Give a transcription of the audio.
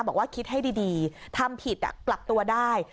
บอกว่าคิดให้ดีทำผิดปรับตัวได้